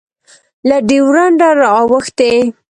له ډیورنډه رااوښتی